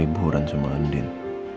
lalu aku mau kemana